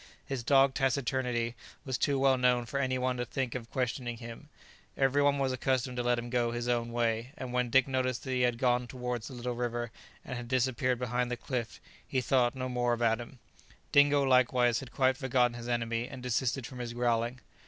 His dogged taciturnity was too well known for any one to think of questioning him; every one was accustomed to let him go his own way, and when Dick noticed that he had gone towards the little river, and had disappeared behind the cliff, he thought no more about him. Dingo likewise had quite forgotten his enemy, and desisted from his growling.